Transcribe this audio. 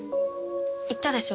言ったでしょ？